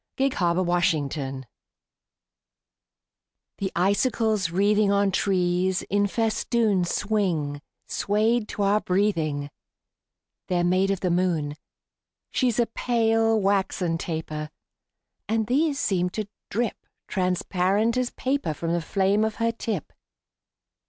SILVER FILIGREE The icicles wreathing On trees in festoon Swing, swayed to our breathing: They're made of the moon. She's a pale, waxen taper; And these seem to drip Transparent as paper From the flame of her tip.